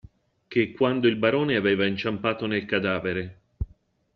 Che quando il barone aveva inciampato nel cadavere.